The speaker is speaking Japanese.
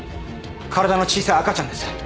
体の小さい赤ちゃんです。